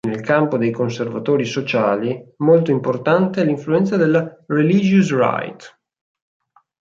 Nel campo dei conservatori sociali, molto importante è l'influenza della "religious right".